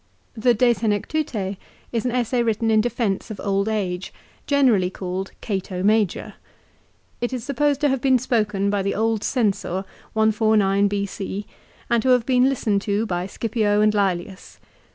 The "De Senectute" is an essay written in defence of old age, generally called " Cato Major." It is supposed to have been spoken by the old Censor, 149, B.C., and to have been listened to by Scipio and Lselius.